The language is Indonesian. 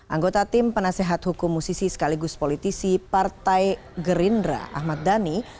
anggota tim penasehat hukum musisi sekaligus politisi partai gerindra ahmad dhani